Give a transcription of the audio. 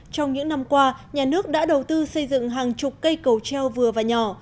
trong những năm qua nhà nước đã đầu tư xây dựng hàng chục cây cầu treo vừa và nhỏ